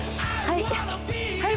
はい。